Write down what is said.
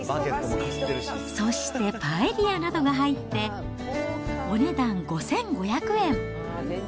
そしてパエリアなどが入って、お値段５５００円。